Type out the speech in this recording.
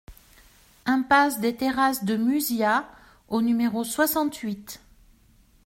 Impasse des Terrasses de Muzias au numéro soixante-huit